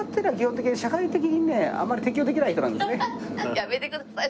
やめてください！